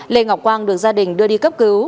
lê ngọc quang được gia đình đưa đi cấp cứu